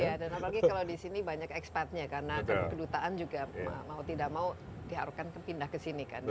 iya dan apalagi kalau di sini banyak ekspatnya karena kan kedutaan juga mau tidak mau diharukan pindah ke sini kan